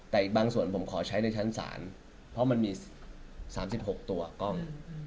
แต่อีกบางส่วนผมขอใช้ในชั้นศาลเพราะมันมี๓๖ตัวกล้อง